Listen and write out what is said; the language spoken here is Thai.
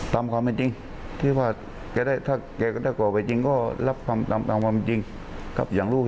ในความรู้สึกของพี่หลังจากบางนี